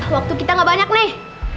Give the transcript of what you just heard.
waktu kita gak banyak nih